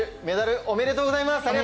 メダルおめでとうございます！